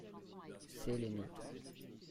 c'est les nôtres.